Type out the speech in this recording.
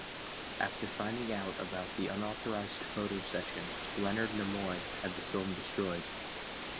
After finding out about the unauthorised photo session, Leonard Nimoy had the film destroyed.